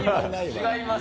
違います。